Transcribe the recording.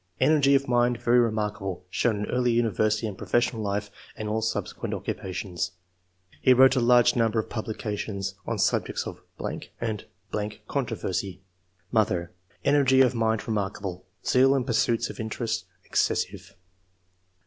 Energy of mind very remarkable, shown in early university and professional life and all subsequent occupations. He wrote a large number of publications on sub jects of ... and .... controversy. Mother — ^Energy of mind remarkable ; zeal in pursuit of interests, excessive."